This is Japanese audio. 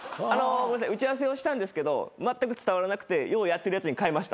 打ち合わせはしたんですけどまったく伝わらなくてようやってるやつに替えました。